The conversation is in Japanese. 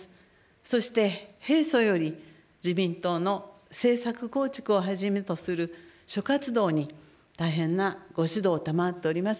そして平素より自民党の政策構築をはじめとする諸活動に、大変なご指導をたまわっております